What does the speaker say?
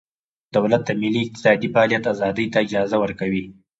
دولت د ملي اقتصادي فعالیت ازادۍ ته اجازه ورکوي